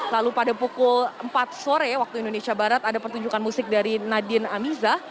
lalu pada pukul empat sore waktu indonesia barat ada pertunjukan musik dari nadine amiza